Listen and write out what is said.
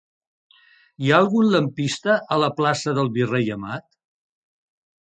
Hi ha algun lampista a la plaça del Virrei Amat?